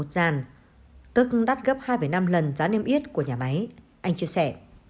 tức đắt gấp hai năm lần giá niêm yết của nhà máy anh chia sẻ